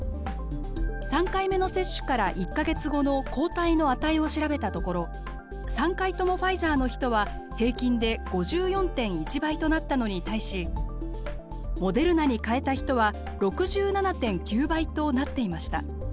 ３回目の接種から１か月後の抗体の値を調べたところ３回ともファイザーの人は平均で５４．１倍となったのに対しモデルナに変えた人は６７．９倍となっていました。